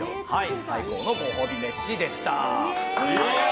最高のご褒美飯でした。